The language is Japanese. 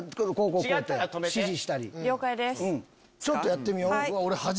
ちょっとやってみよう。